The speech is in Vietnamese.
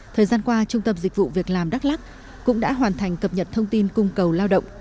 thời gian qua trung tâm dịch vụ việc làm đắk lắc cũng đã hoàn thành cập nhật thông tin cung cầu lao động